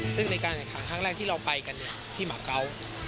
ซึ่งในการแข่งขันครั้งแรกที่เราไปกันที่หมาเกาะ